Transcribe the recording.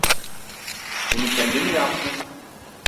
Bunu kendin mi yaptın?